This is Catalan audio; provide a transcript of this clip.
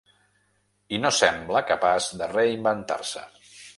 I no sembla capaç de reinventar-se.